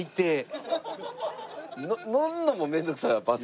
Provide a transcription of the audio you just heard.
乗るのも面倒くさいわバス。